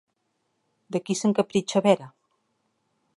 De qui s'encapritxa Vera?